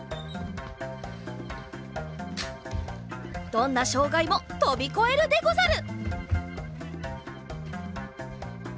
どんなしょうがいもとびこえるでござる！